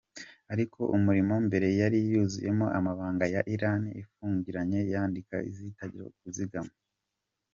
Ariko urimo imbere, yari yuzuyemo amabanga ya Iran, ifungiranyemo inyandiko zitagira uko zingana.